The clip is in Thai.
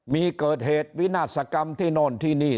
มีเกิดเหตุวินาศกรรมที่โน่นที่นี่